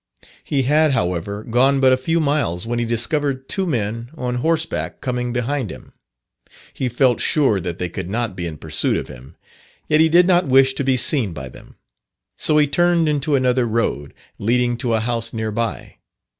He had, however, gone but a few miles, when he discovered two men on horseback coming behind him. He felt sure that they could not be in pursuit of him, yet he did not wish to be seen by them, so he turned into another road, leading to a house near by.